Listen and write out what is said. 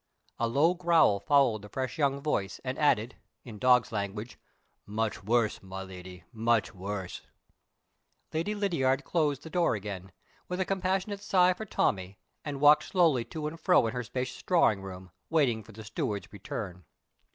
A low growl followed the fresh young voice, and added (in dog's language), "Much worse, my Lady much worse!" Lady Lydiard closed the door again, with a compassionate sigh for Tommie, and walked slowly to and fro in her spacious drawing room, waiting for the steward's return.